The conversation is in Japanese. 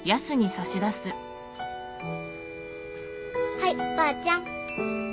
はいばあちゃん。